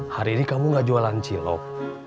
hari ini kamu gak jualan cilok